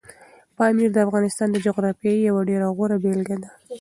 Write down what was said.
پامیر د افغانستان د جغرافیې یوه ډېره غوره بېلګه ده.